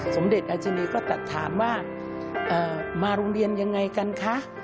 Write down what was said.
สมเด็จอัชรีก็ตัดถามว่ามาโรงเรียนยังไงกันคะ